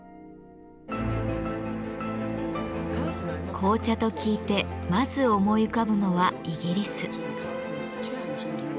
紅茶と聞いてまず思い浮かぶのはイギリス。